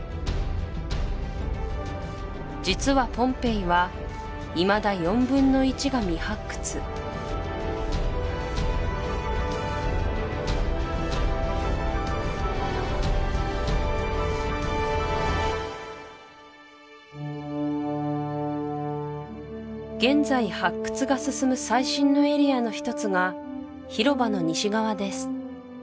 実はポンペイはいまだ４分の１が未発掘現在発掘が進む最新のエリアの１つが広場の西側です